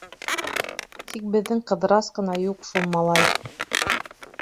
Тик беҙҙең Ҡыҙырас ҡына юҡ шул, малай.